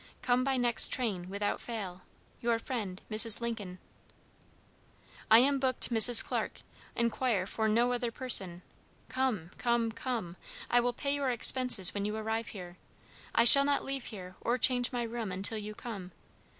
Come by next train, without fail. "Your friend, "MRS. LINCOLN. "I am booked Mrs. Clarke; inquire for no other person. Come, come, come. I will pay your expenses when you arrive here. I shall not leave here or change my room until you come.